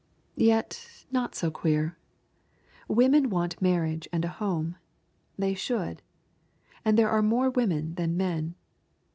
Yet not so queer. Women want marriage and a home. They should. And there are more women than men.